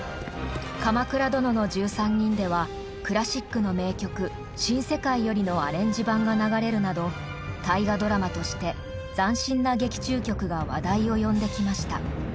「鎌倉殿の１３人」ではクラシックの名曲「新世界より」のアレンジ版が流れるなど「大河ドラマ」として斬新な劇中曲が話題を呼んできました。